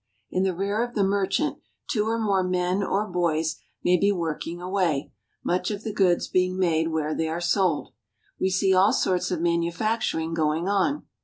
In the rear of the merchant, two or more men or boys may be working away, much of the goods being made where they are sold. We see all sorts of manufacturing going on.